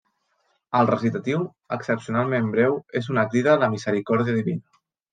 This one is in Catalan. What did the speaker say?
El recitatiu, excepcionalment breu, és una crida a la misericòrdia divina.